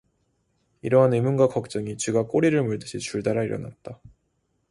이러한 의문과 걱정이 쥐가 꼬리를 물듯이 줄달아 일어났다.